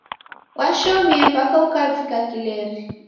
Washomie mpaka ukavikia kileri.